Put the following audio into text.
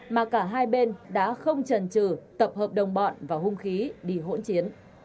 mà cả hai bên đã không trần trừ tập hợp đồng bọn và hung khí đi hỗn chiến